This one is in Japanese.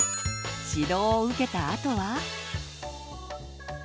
指導を受けたあとは。